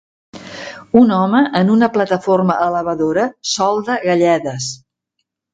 Un home en una plataforma elevadora solda galledes.